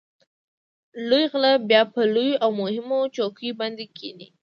لوی غله بیا په لویو او مهمو چوکیو باندې کېني.